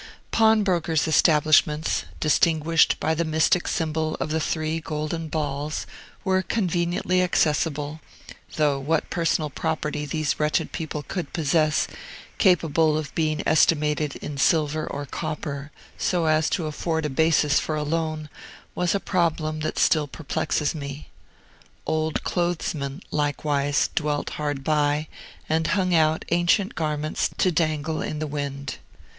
Pawnbrokers' establishments, distinguished by the mystic symbol of the three golden balls, were conveniently accessible; though what personal property these wretched people could possess, capable of being estimated in silver or copper, so as to afford a basis for a loan, was a problem that still perplexes me. Old clothesmen, likewise, dwelt hard by, and hung out ancient garments to dangle in the wind.